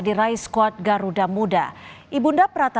saya tidak mau melakukan apa yang saya bisa